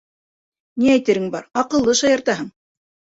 — Ни әйтерең бар, аҡыллы шаяртаһың!